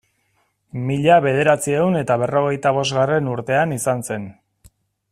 Mila bederatziehun eta berrogeita bosgarren urtean izan zen.